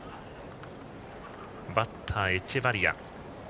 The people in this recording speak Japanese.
バッターはエチェバリア。